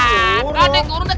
ya udah deh kurung deh